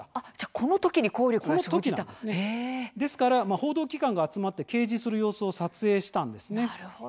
そのため報道機関が集まって掲示する様子を撮影したんです。